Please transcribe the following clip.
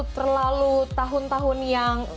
terlalu tahun tahun yang